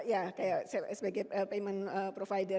ya kayak sebagai payment provider